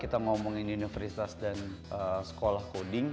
kita kalau misalnya kita ngomongin universitas dan sekolah coding